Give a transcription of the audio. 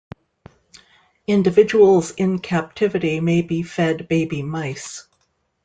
Individuals in captivity may be fed baby mice.